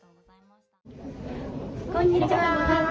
こんにちは。